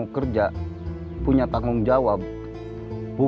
itu jawabannya tussen ubs dan google